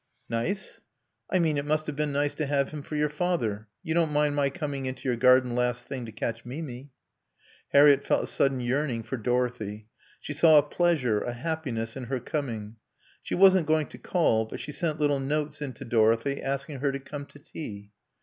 "Nice?" "I mean it must have been nice to have him for your father.... You don't mind my coming into your garden last thing to catch Mimi?" Harriett felt a sudden yearning for Dorothy. She saw a pleasure, a happiness, in her coming. She wasn't going to call, but she sent little notes in to Dorothy asking her to come to tea.